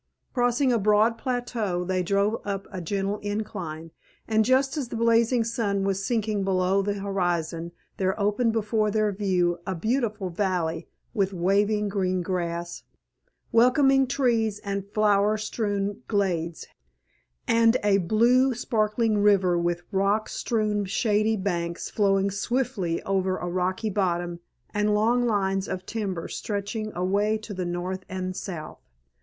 Crossing a broad plateau they drove up a gentle incline, and just as the blazing sun was sinking below the horizon there opened before their view a beautiful valley with waving green grass, welcoming trees and flower strewn glades, and a blue, sparkling river with rock strewn shady banks flowing swiftly over a rocky bottom, and long lines of timber stretching away to the north and south.